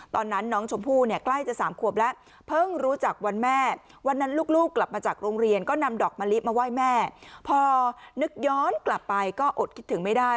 ตอนนั้นน้องชมพู่เนี่ยใกล้จะสามขวบแล้วเพิ่งรู้จักวันแม่วันนั้นลูกกลับมาจากโรงเรียนก็นำดอกมะลิมาไหว้แม่พอนึกย้อนกลับไปก็อดคิดถึงไม่ได้